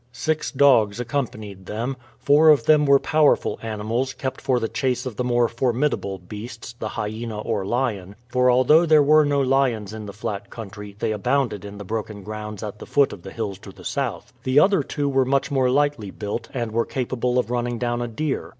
Six dogs accompanied them. Four of them were powerful animals, kept for the chase of the more formidable beasts, the hyena or lion, for although there were no lions in the flat country, they abounded in the broken grounds at the foot of the hills to the south. The other two were much more lightly built, and were capable of running down a deer.